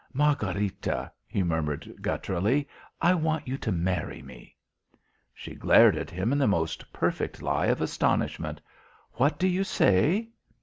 "Margharita," he murmured gutturally, "I want you to marry me." She glared at him in the most perfect lie of astonishment. "What do you say?"